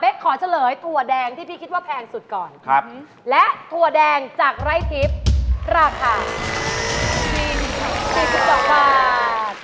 ขอเฉลยถั่วแดงที่พี่คิดว่าแพงสุดก่อนและถั่วแดงจากไร่ทิพย์ราคา๔๒บาท